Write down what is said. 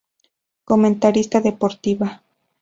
Comentarista deportiva.